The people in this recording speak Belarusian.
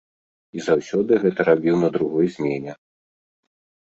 І заўсёды гэта рабіў на другой змене.